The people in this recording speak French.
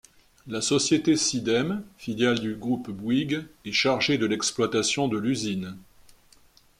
La société Cideme, filiale du groupe Bouygues, est chargée de l'exploitation de l'usine.